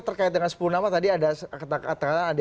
terkait dengan sepuluh nama tadi ada katakanlah